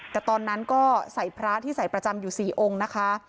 แต่ตอนนั้นก็ใส่พระที่ใส่ประจำอยู่๔องค์นะคะ